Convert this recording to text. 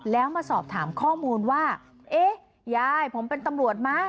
แล้วมาสอบถามข้อมูลว่าเอ๊ะยายผมเป็นตำรวจไหม